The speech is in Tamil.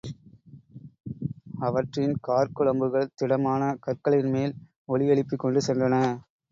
அவற்றின் காற் குழம்புகள், திடமான கற்களின்மேல் ஒலி யெழுப்பிக்கொண்டு சென்றன.